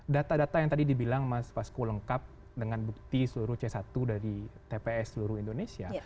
data data yang tadi dibilang mas fasku lengkap dengan bukti seluruh c satu dari tps seluruh indonesia